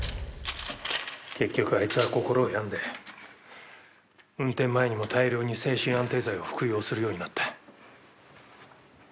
結局あいつは心を病んで運転前にも大量に精神安定剤を服用するようになった。